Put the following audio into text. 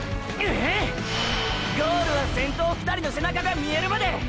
“ゴール”は先頭２人の背中が見えるまで！！